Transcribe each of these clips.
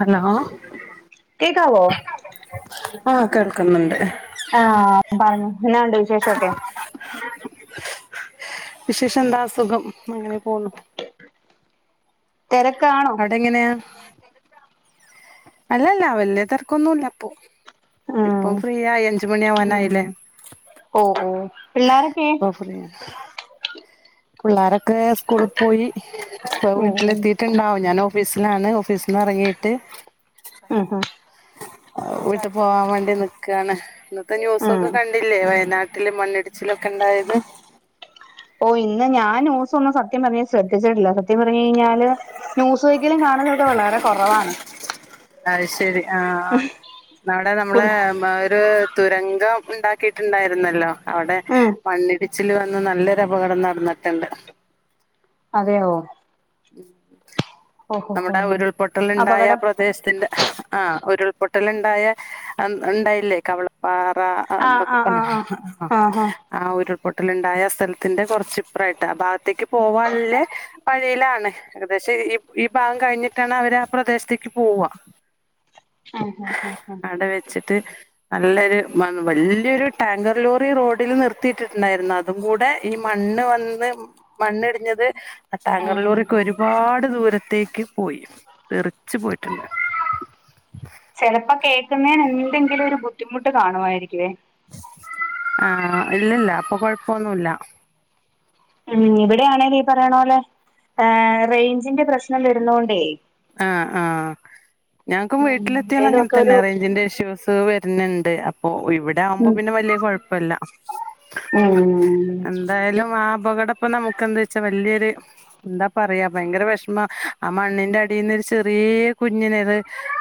Hello. കേക്കാവോ? ആഹ കേക്കുന്നുണ്ട്. ആഹ പറഞ്ഞോ. എന്നാ ഉണ്ട് വിശേഷമോക്കെ? വിശേഷം എന്താ സുഖം, അങ്ങനെ പോവുന്നു. തിരക്കാണോ. അവിടെ എങ്ങനെയാ. അല്ലല്ല വല്യ തിരക്കൊന്നുല്ല ഇപ്പൊ. ഇപ്പൊ ഉം ഫ്രീ ആയി അഞ്ചുമണി ആവാനായില്ലേ. ഓ ഓ പിള്ളോരൊക്കെ ഫ്രീ പിള്ളോരൊക്കെ സ്കൂളിൽ പോയി ഇപ ഉം ഉം വീട്ടിലെത്തിട്ട് ണ്ടാവും ഞാൻ ഓഫീസിലാണ് ഓഫീസിൽ നി ഇറങ്ങിയിട്ട് ഉം ഉം വീട്ട് പോവാൻ വേണ്ടി നിക്കയാണ് ഇന്നത്തെ ന്യൂസൊക്കെ ഉം കണ്ടില്ലേ വയനാട്ട് ട്ടില് മണ്ണിടിച്ചിലൊക്കെ ഇണ്ടായത് ഓ ഇന്ന് ഞാൻ ന്യൂസ ഒന്നും സത്യം പറഞ്ഞ ശ്രദ്ധിച്ചിട്ടില്ല സത്യം പറഞ്ഞ കഴിഞ്ഞാല് ന്യൂസ് വെക്കലും വളരെ കുറവാണ് അത് ശരി ആഹ നാടെ നമ്മളെ മഒരു തുരങ്കം ഉണ്ടാക്കിയിട്ടുണ്ടായിരുന്നല്ലോ അവിടെ ഉം മണ്ണിടിച്ചിൽ വന്ന നല്ലൊരു അപകടം നടന്നിട്ടുണ്ട് അതെയോ ഓഹോ ഹോ നമ്മുടെ ഉരുൾപൊട്ടല ഉണ്ടായ അപകടം പ്രദേശത്തിന്റെ ആഹ ഉരുൾപൊട്ടല ഉണ്ടായ ഉണ്ടായില്ലേ കവളപ്പാറ ആഹ് ആഹ്പ്പ ആഹ് ആഹ് ആഹ ആഹ് ആഹ് ആഹ ഉരുൾപൊട്ടല ഉണ്ടായ സ്ഥലത്തിന്റെ കുറച്ചിപ്പ്രറായിട്ട് ആ ഭാഗത്തേക്ക് പോകാനെ പഴിയിലാണ ഏകദേശം ഈ ഈ ഭാഗം കഴിഞ്ഞിട്ടാണ് അവര് ആ പ്രദേശത്തേക്ക് പോവുക ആഹഹ ആഹ ആഹ അട വെച്ചിട്ട് നല്ലൊരു വലിയൊരു ടാങ്കർ ലോറി റോഡിൽ നിർത്തിയിട്ടിട്ടുണ്ടായിരുന്നു അത് അതും കൂടെ ഈ മണ്ണ് വന്ന് മണ്ണിടിഞ്ഞത് ടാങ്കർ ലോറി ഉം ഒരുപാട് ദൂരത്തേക്ക് പോയി തെറിച്ചു പോയിട്ടുണ്ട് ചെിലപ്പോ കേക്കുന്നതിന് എന്തെങ്കിലും ഒരു ബുദ്ധിമുട്ട് കാണുമായിരികേ ആഹ ഇല്ലല്ല അപ്പൊ കൊഴപ്പൊന്നുല്ല ഉം ഇവിടെയാണേ ലീ പറയണ പോലെ റേഞ്ചിന്റെ പ്രശ്നം വരുന്നൊണ്ടേ ആഹ് ആഹ് ഞങ്ങക്കും ഉം വീട്ടിലെത്തിയ അങ്ങനെ എന്തേലുവൊക്കെ തന്നെ ഒരു റേഞ്ചിന്റെ ഇഷ്യൂസ് ണ്ട് അപ്പൊ ഇവിടെ ആവുമ്പോ ഉം പിന്നെ വലിയ കുഴപ്പല്ല ഉം എന്തായാലും ആ അപകടപ്പം നമുക്ക് എന്താ വെച്ചാൽ വല്യൊര് എന്താ പറയാ ഭയങ്കര വിഷമ ആ മണ്ണിന്റെ അടിൽന് ഒരു ചെറിയ കുഞ്ഞിനെത്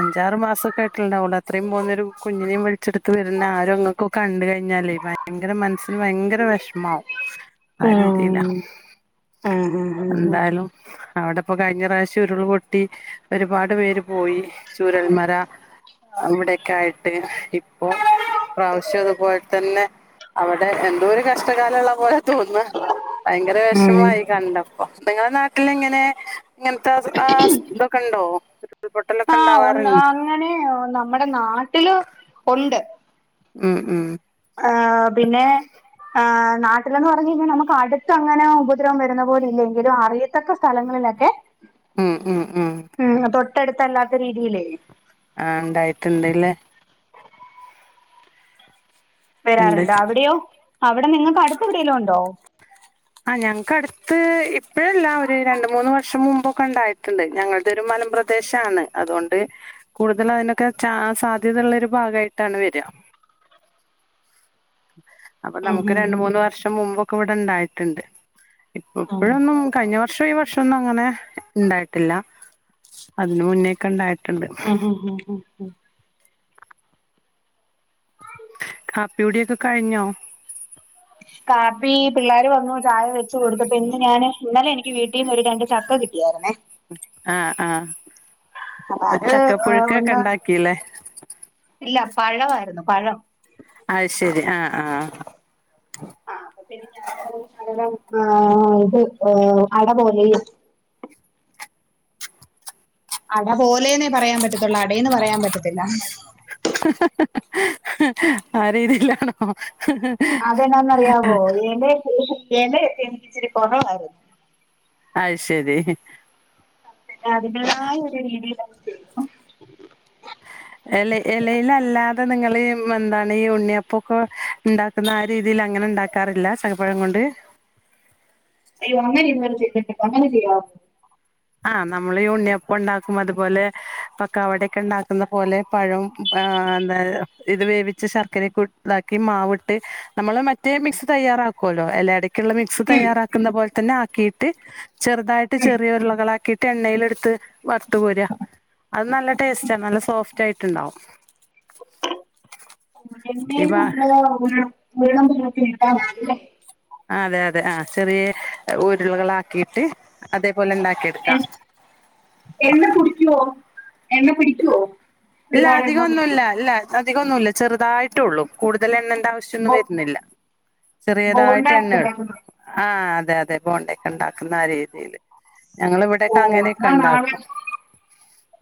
അഞ്ചാറ് മാസക്കെ ആയിട്ടുണ്ടാവൂ അത്രയും പോന്നൊ ഒരു കുഞ്ഞിനേ വലിച്ചെടുത്ത് വരുന്ന ആരും അങ്ങക്ക കണ്ട കഴിഞ്ഞാലേ ഭയങ്കര മനസ്സിന് ഭയങ്കര വേഷമാവും ആ ഉം ഉം രീതിയില്ല ഉം ഉം ഉം എന്തായാലും അവിടെപ്പോൊ കഴിഞ്ഞ പ്രാവശ്യം ഉരുൾ പൊട്ടി ഒരുപാട് പേര് പോയി ചുരൽമര അവിടെക്കെ ആയിട്ട് ഇപ്പൊ പ്രാവശ്യം അതുപോലെ തന്നെ അവിടെ എന്തോ ഒരു കഷ്ടകാലള്ള പോലെ തോന്ന ഭയങ്കര ഉം വിഷമായി കണ്ടപ്പോ നിങ്ങളെ നാട്ടിൽ ഇങ്ങനെ ഇങ്ങനത്തെ ആ ഇതൊക്കെ ഉണ്ടോ ഉരുൾപൊട്ടലൊക്കെ ആഹ് ഉണ്ടാവാ ഉണ്ട് അങ്ങനെ നമ്മുടെ നാട്ടില് ഉണ്ട് ഉം ഉം ആഹ് പിന്നെ ആ ന്ന് പറഞ്ഞു കഴിഞ്ഞാൽ നമുക്ക് അടുത്ത് അങ്ങനെ ഉപദ്രവംരുന്ന പോല ഇല്ലെങ്കിലും അറിയത്തക്ക സ്ഥങ്ങളിലൊക്കെ ഉം ഉം ഉം ഉം തൊട്ടടുത്തല്ലാത്ത രീതിയില് ആണ്ടായിട്ടുണ്ട് ലെ വരാറുണ്ട് എന്താ അവിടെയോ അവിടെ നിങ്ങക്ക് അടുത്ത് എവിടേലുണ്ടോ [unintelligible] അഹ് ഞങ്ങക്ക് അടുത്ത് ഇപ്പഴല്ലാ ഒരു രണ്ട് മൂന്ന് വർഷം മുമ്പൊക്കെണ്ടായിട്ടുണ്ട് ഞങ്ങളുടെ ഒരു മലമ്പ്ര ദേശാണ് അതുകൊണ്ട് കൂടുതല് അതിനൊക്കെ ച സാധ്യത ഉള്ള ഒരു ഭാഗമായിട്ടാണ് വരിക അപ്പൊ ഉം നമുക്ക് ഉം രണ്ട് ഉം മൂന്ന് വർഷം മുമ്പൊക്കെ ഇവിടെണ്ടായിട്ട്ണ്ട് ഇപ്പ ആഹ് ഇപ്പോഴൊന്നും കഴിഞ്ഞ വർഷം ഈ വർ പക്ഷ ഒന്നും അങ്ങനെ ഉണ്ടായിട്ടില്ല അതിന് മുന്നേക്കെണ്ടായിട്ടുണ്ട് ആ ആ ആ ആ കാപ്പികുടിയൊക്കെ കഴിഞ്ഞോ കാപ്പി പിള്ളേര് വന്നു ചായ വെച്ചു കൊടുത്തപ്പ ഇന്ന് ഞാന് ഇന്നലെ എനിക്ക് വീട്ടീന്ന് ഒരു രണ്ട് ചക്ക കി [unintelligible] ആഹ് ആഹ് അപ്പൊ പ അത് ചക്ക പുഴുക്കൊക്കെ ഒന്ന് ഉണ്ടാക്കില്ലേ ഇല്ല പഴമായിരുന്നു പഴം അയ്ശരി ആഹ് ആഹ് അഹ് അപ്പപ്പിന്നെ ഞാനത് [unintelligible] ഇത് അട പോലെയും അട പോലെന്നേ പറയാൻ പറ്റത്തുള്ളൂ അടേന്ന് പറയാൻ പറ്റത്തില്ല ആ രീതില്ലാണോ അതെ എന്നാന്നറിയാവോ എലേ [unintelligible] ച്ചിരി കൊറവായിരുന്നു അയ്ശരി അതിന്റെതായ ഒരു രീതിയില് [unintelligible] എലെ എലേലല്ലാതെ നിങ്ങള് എന്താണ് ഈ ഉണ്ണിയപ്പൊക്കെ ഉണ്ടാ ക്കുന്ന ആ രീതിയില് അങ്ങനെ ഉണ്ടാക്കാറില്ല ചക്കപ്പഴം കൊണ്ട് അയ്യോ അങ്ങനെ ഇന്ന് വരെ ചെയ്തി [unintelligible] അങ്ങനെ ചെയ്യോ ആഹ് നമ്മള് ഈ ഉണ്ണിയപ്പ ഉണ്ടാക്കും അതുപോലെ പക്കവട ഒക്കെ ഉണ്ടാക്കുന്ന പോലെ പഴം ആഹ് എന്താ ഇത് വേവിച്ച് ശർക്കരക്ക് ഇതാക്കി മാവിട്ട് നമ്മള് മ റ്റേ മിക്സ് തയ്യാറാക്കുവല്ലോ എലയടിം ക്ക്ള്ള മിക്സ് തയ്യാറാക്കുന്ന പോൽതന്നെ ആക്കിയിട്ട് ചെറുതായിട്ട് ചെറിയൊർ കളാക്കിയിട്ട് എണ്ണയിലടുത്ത് വറത്തു കോരാ അത് നല്ല ടേസ്റ്റാണ് നല്ല സോഫ്റ്റ് ആയിട്ടുണ്ടാവും എണ്ണേല് ഈ [unintelligible] നമ്മള് വെള്ളം പോലക്കെ ഇണ്ടാല്ലേ ആഹ് അതെ അതെ ആ ചെറിയ ഉരുളകൾക്കിയിട്ട് അതേപോലെ എണ്ണ ഉണ്ടാക്കിയെടുക്കാം എണ്ണ പിടിക്കോ എണ്ണ പിടിക്കോ ഇല്ല അധികൊന്നുല്ല ഇല്ല അധികൊന്നുഇല്ല ചെറുതായിട്ടൊള്ളൂ കൂടുതൽ എണ്ണന്റെ ആവ് ശ്യന്നും ബോ വരുന്നില്ല ബോണ്ട ചെറിയതായിട്ട് എണ്ണ ഉണ്ടാക്കുന്നു ആഹ് അതെ അതെ പോണ്ട ഒക്കെ ഉണ്ടാക്കുന്ന ആ രീതില് ഞങ്ങ ഇവിടെക്കെ ഓ അങ്ങനെയൊക്കെ ഉണ്ടാക്കും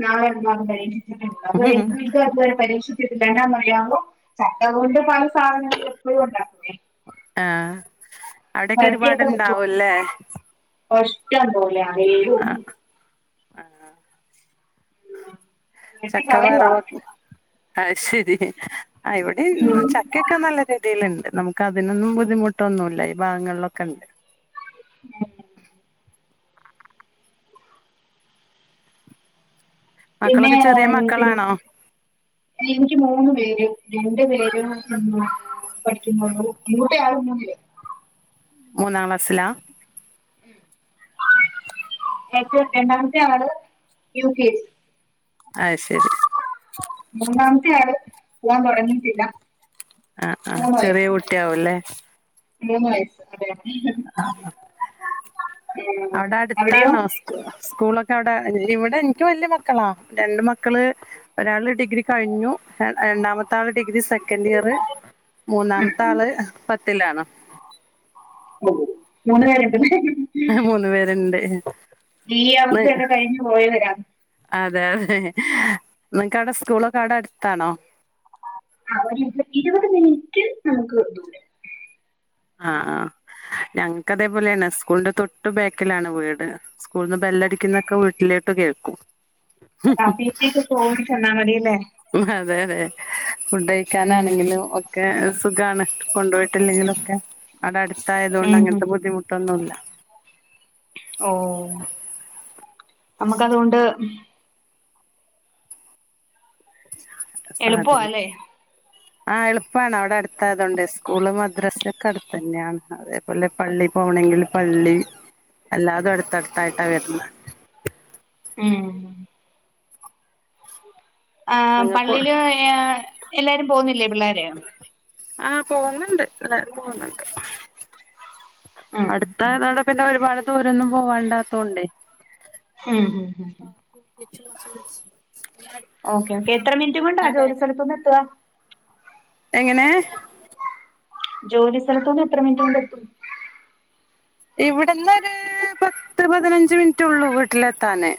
നാ [unintelligible] പരീക്ഷി [unintelligible] ചക്ക കൊണ്ട് പല സാധനങ്ങൾ എപ്പോഴും ഉണ്ടാക്കേ ആഹ് മദ്യൊക്ക വക്കും ഇഷ്ടം പോലെ അതല്ലും ആ വെട്ടി കളയുവാണ് ചക്കവറവൊക്കെ അഹ്ശരി ആ ഇവിടെ ഇന്ന് ഉം. ച ക്കൊക്കെ നല്ല രീതിയിലുണ്ട് നമുക്ക് അതിനൊന്നും ബുദ്ധിമുട്ടൊന്നുല്ല ഈ ഭാഗങ്ങളിലൊക്കെ ഉണ്ട് ഉം പിന്നെ മക്കളൊക്കെ ചെറിയ ഏ പിന്നെ മക്കളാണോ എനിക്ക് മൂന്ന് പേര് രണ്ടു പേരും [unintelligible] പഠിക്കുന്നൊള്ളു മൂത്തയാള് മൂന്നില് മൂന്നാം ക്ലാസ്സിലാ ഏറ്റവും രണ്ടാമത്തെയാള് യു കെ ജി അത് ശരി മൂന്നാമത്തെയാള് പുവ്വാൻ തൊടങ്ങിട്ടില്ല ആഹ് ആഹ് ചെറിയ കുട്ടിയാവുല്ലേ മൂന്ന് വയസ്സ് അതെ ഉം ആഹ് അവടെ അവിടെയോ അടുത്താണോ സ്കൂളൊക്കെ അവടെ ഇവിടെ ഇൻക്ക് വല്യ മക്കളാ രണ്ട് മക്കള് ഒരാള് ഡിഗ്രി കഴിഞ്ഞു രണ്ടാമത്തെ ആള് ഡിഗ്രി സെക്കൻഡ് ഇയർ മൂന്നാമത്തെ ആള് പത്തിലാണ് മൂന്നുപേര്ണ്ട് ഹ് മൂന്നു പേരുണ്ട് ഈ അവസ്ഥ ഒക്കെ അതെ കഴിഞ്ഞ് പോയവരാ അതെ യതെ നിങ്ങൾക്ക് സ്കൂളൊക്കെ അവടെ അടുത്താണോ ആഹ് ഒരു ഇരുപത് മിനിറ്റ് നമുക്ക് ദൂരം ആഹ് ആ ഞങ്ങക്ക് അതേപോലെ തന്നെ സ്കൂളിന്റെ തൊട്ടു ബാക്കിലാണ് വീട് സ്കൂളിന്ന് ബെല്ലടിക്കുന്നൊക്കെ വീട്ടിലോട്ട് കേൾക്കും ആഹ് പി ടി എ ക്കൊക്കെ ഓടി ചെന്നാമതില്ലേ അതെയതെ ഫുഡ് ഉം കഴിക്കാനാണെങ്കിലും ഒ ക്കെ സുഖാണ് കൊണ്ടോയിട്ടില്ലെങ്കിലൊക്കെ അവടെ അടുത്തായതോണ്ട് ഉം ഉം അങ്ങനത്തെ ബുദ്ധിമുട്ടൊന്നുല്ല ഓഹ് നമുക്കതോണ്ട് എളുപ്പവാ സാധനം അല്ലേ ആഹ് എളുപ്പാണ് അവടെ ആഹ് എളുപ്പാണ് അവിടെ അടുത്തായതോണ്ട് സ്കൂളും മദ്രസൊക്കെ അടുത്തു തന്നെയാണ് അതെ പോലെ പള്ളി പോണങ്കിൽ പള്ളി എല്ലാതും അടുത്തടുത്തായിട്ടാണ് വരുന്നത് ഉം ആ നിങ്ങക്ക് പള്ളില് എല്ലാരും പോവുന്നില്ലേ പിള്ളേര് ആഹ് പോന്നുണ്ട് എല്ലാരും പോവുന്നുണ്ട് ഉം അടുത്തായതോടെ പിന്നെ ഒരുപാട് ദൂരൊന്നും പോവാണ്ടാത്തോണ്ടെ ഉംഹ് ഹു ഹും തിരിച്ചും മറിച്ചും പുടിച്ച് ഇപ്പൊന്ന്ട്ട് താ എങ്ങനെ ജോലി സ്ഥലതൂന്നു എത്ര മിനിറ്റോണ്ടെത്തും ഇവിടന്നൊര് പത്ത് പതിനഞ്ച് മിനിറ്റൊള്ളൂ വീട്ടിലെത്താന്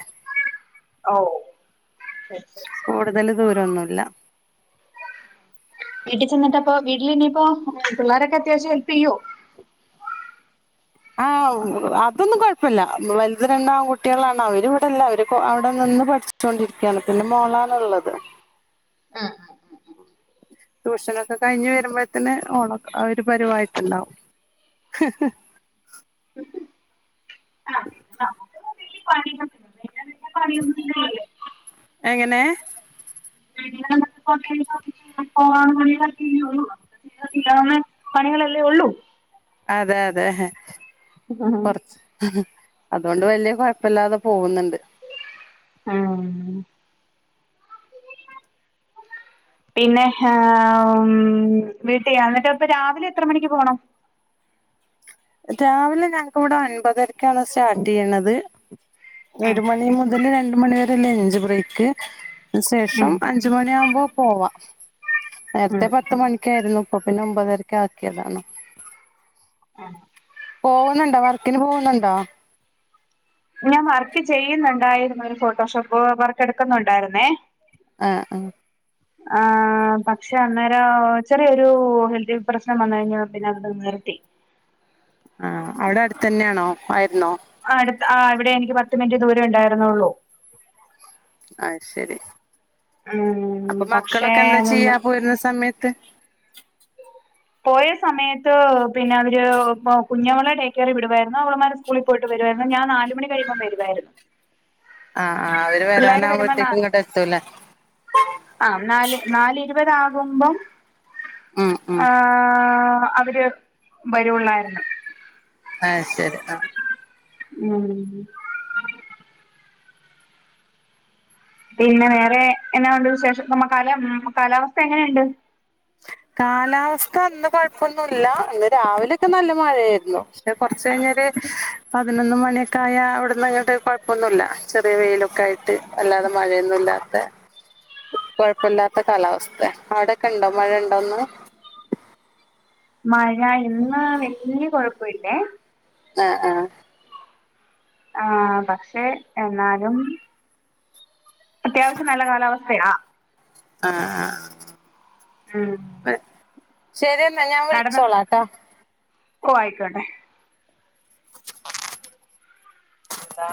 ഓഹ് കൂടുതല് ദൂരൊന്നൂമല്ല വീട്ടിചെന്നിട്ടപ്പോ വീട്ടിൽ ഇനിയിപ്പോ പിള്ളാരൊക്കെ അത്യാവശ്യം ഹെൽപ്പിയ്യോ ആഹ് അതൊന്നും കൊഴപ്പല്ല വലുത് രണ്ടും ആൺ കുട്ടിയേളാണ് അവര് ഇവിടെല്ല അവര് അവടെ നിന്ന് പഠി ച്ചോണ്ടിരിക്കാണ് പിന്നെ മോളാണ്ള്ളത് ട്യൂഷനൊക്കെ കഴിഞ്ഞ് വരുമ്പോഴത്തിന് ഒരു പരുവായിട്ടുണ്ടാവും ഹു ഹ് ആഹ് പിന്നെ [unintelligible] പണിയൊഒന്നുമില്ലല്ലോ ഇവിടെ എങ്ങനെ [inaudible] ചെയ്യാവുന്ന പണികളല്ലേ ഒള്ളൂ അതെ അതെ ആഹ് കൊറച്ച് അതുകൊണ്ട് വലിയ കൊഴപ്പില്ലാതെ പോകുന്നുണ്ട് ആഹ് പിന്നെ വീട്ടി അന്നിട്ട് ഇപ്പ രാവിലെ എത്ര മണിക്ക് പോണം രാവിലെ ഞങ്ങക്കിവിടെ ഒൻപതരക്കാണ് സ്റ്റാർട്ട് ചെയ്യണത് ഉം ഒരു മണി മുതൽ രണ്ടു മണി വരെ ലഞ്ച് ബ്രേക്ക് ഉം ശേഷം അഞ്ച് മണി യാവുമ്പോ പോവാം ഉം നേരത്തെ പത്തു മണിക്കായിരുന്നു ഇപ്പൊ പിന്നെ ഒമ്പതരക്കാക്കിയതാണ് പോവുന്നുണ്ടോ വർക്കിന് പോവുന്നുണ്ടോ ഞാൻ വർക്ക് ചെയ്യുന്നുണ്ടായിരുന്നു ഒരു ഫോട്ടോഷോപ്പ് വർക്ക് എടുക്കുന്നുണ്ടായിരുന്നേ ആഹ് ആഹ് ആ പക്ഷെ അന്നേരം ചെറിയൊരു ഹെൽത്തി പ്രശ്നം വന്നു കഴിഞ്ഞപ്പോ പിന്നെ അത് നിർത്തി ആഹ് അവിടെ അടുത്തു തന്നെയാണോ ആയിരുന്നോ അടുത് ആ ഇവിടെ എനിക്ക് പത്ത് മിനിറ്റ് ദൂരേ ഉണ്ടായിരുന്നുള്ളു അത് ശരി ഉം അപ്പൊ പക്ഷേ മക്കളൊക്കെ എന്താ അതൊന്ന് ചെയ്യാ പോരുന്ന സമയത്ത് പോയ സമയത്ത് പിന്നെ അവര് കുഞ്ഞവളെ ഡേകെയറി വിടുവാരുന്നു അവള്മാര് സ് കൂളി പോയിട്ട് വരുവാരുന്നു ഞാൻ നാലുമണി കഴീമ്പം വരുവാരുന്നു ആഹ് ആഹ് അവര് വരാനാവുമ്പഴത്തേക്കും ഇങ്ങോട്ട് എത്തൂലേ ആഹ് നാല് നാല് ഇരുപത് ആകുമ്പം ഉം ഉം ആഹ് അവര് വരൂള്ളായിരുന്നു അത് ശരി ആഹ് ഉം പിന്നെ വേറെ എന്നാ ഒണ്ട് വിശേഷം നമ്മ കാല കാലാവസ്ഥ എങ്ങനെയുണ്ട് കാലാവസ്ഥ ഇന്ന് കൊഴപ്പൊന്നുല്ല ഇന്ന് രാവിലെയൊക്കെ നല്ല മഴയാരുന്നു പിന്നെ കൊറച്ച് കഴിഞ്ഞൊര് പതിനൊന്ന് മണിയൊക്കെ ആയാൽ അവിടുന്ന് ഇങ്ങോട്ട് കൊഴപ്പൊന്നുല്ല ചെറിയ വെയിലൊക്കെ ആയിട് ട്ട് അല്ലാതെ മഴയൊന്നും ഇല്ലാത്ത കൊഴപ്പില്ലാത്ത കാലാവസ്ഥ അവിടൊക്കെ ണ്ടോ മഴ ഉണ്ടോന്ന് മഴ ഇന്ന് വല്യ കൊഴപ്പം ഇല്ലേ ആഹ് ആഹ് ആഹ് പക്ഷെ എന്നാലും അത്യാവശ്യം നല്ല കാലാവസ്ഥയാ ആഹ് ആഹ് ഉം ശരിയെന്നാ ഞാൻ വിളിച്ചോളാട്ടാ ഓഹ് ആയിക്കോട്ടെ താ